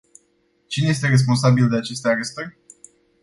Cine este responsabil de aceste arestări?